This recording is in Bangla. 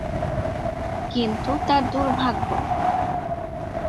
কিন্তু তার দুর্ভাগ্য।